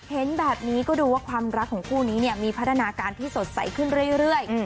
เห็นแบบนี้ก็ดูว่าความรักของคู่นี้เนี่ยมีพัฒนาการที่สดใสขึ้นเรื่อย